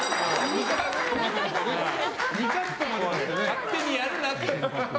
勝手にやるなって！